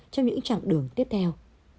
trong những chặng đường tiếp theo